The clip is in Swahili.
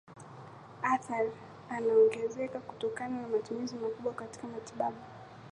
athari anaongezeka kutokana na matumizi makubwa katika matibabu